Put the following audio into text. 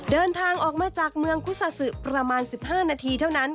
เดินทางออกมาจากเมืองคุซาซึประมาณ๑๕นาทีเท่านั้น